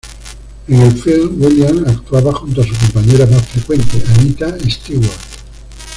En el film Williams actuaba junto a su compañera más frecuente, Anita Stewart.